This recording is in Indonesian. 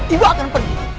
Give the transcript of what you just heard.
ibu akan pergi